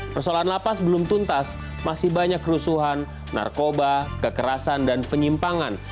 persoalan lapas belum tuntas masih banyak kerusuhan narkoba kekerasan dan penyimpangan